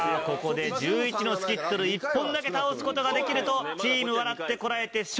ここで１１のスキットル１本だけ倒すことができるとチーム「笑ってコラえて！」